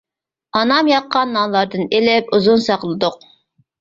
ئانام ياققان نانلاردىن، ئېلىپ ئۇزۇن ساقلىدۇق.